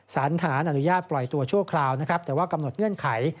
สารฐานอนุญาตปล่อยตัวชั่วคราวนะครับแต่ว่ากำหนดเงื่อนไข